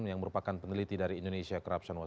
yang merupakan peneliti dari indonesia corruption wat